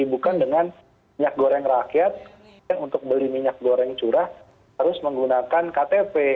bukan dengan minyak goreng rakyat yang untuk beli minyak goreng curah harus menggunakan ktp